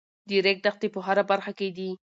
د ریګ دښتې په هره برخه کې دي.